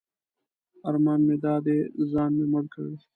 ارمان مې دا دی ځان مې مړ کړ.